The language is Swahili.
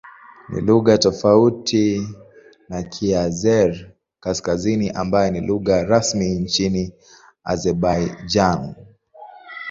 Ni lugha tofauti na Kiazeri-Kaskazini ambayo ni lugha rasmi nchini Azerbaijan.